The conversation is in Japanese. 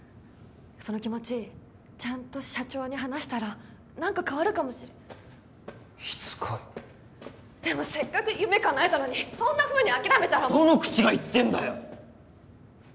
その気持ちちゃんと社長に話したら何か変わるかもしれしつこいでもせっかく夢かなえたのにそんなふうに諦めたらもうどの口が言ってんだよ！